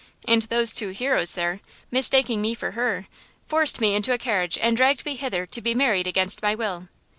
And those two heroes there, mistaking me for her, forced me into a carriage and dragged me hither to be married against my will.